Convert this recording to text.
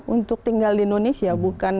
untuk tinggal di indonesia